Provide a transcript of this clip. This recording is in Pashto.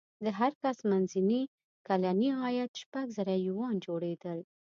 د هر کس منځنی کلنی عاید شپږ زره یوان جوړېدل.